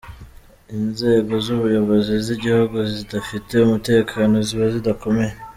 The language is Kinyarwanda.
Inzego z’Ubuyobozi z’igihugu kidafite umutekano ziba zidakomeye.